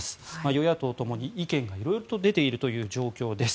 与野党ともに意見が色々と出ているという状況です。